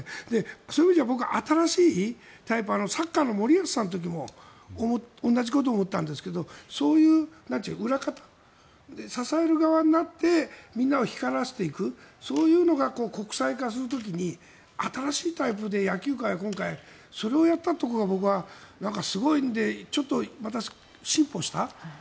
そういう意味では僕は新しいタイプのサッカーの森保さんの時も同じことを思ったんですけどそういう裏方、支える側になってみんなを光らせていくそういうのが国際化する時に新しいタイプで野球界今回、それをやったということが僕は、すごいと思ってちょっとまた進歩した。